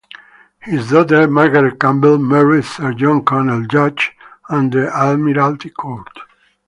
His daughter, Margaret Campbell, married Sir John Connell, Judge of the Admiralty Court.